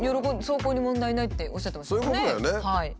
走行に問題ないっておっしゃってましたもんね。